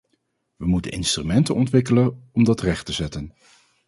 We moeten instrumenten ontwikkelen omdat recht te zetten.